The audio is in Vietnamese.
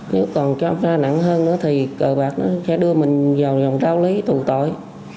nếu còn cho ra nặng hơn nữa thì cờ bạc nó sẽ đưa mình vào lòng trao lý tù tội